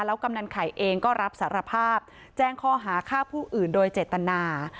กำนันไข่เองก็รับสารภาพแจ้งข้อหาฆ่าผู้อื่นโดยเจตนา